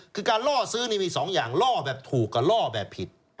คือการล่อซื้อนี่มี๒อย่างล่อแบบถูกกับล่อแบบผิด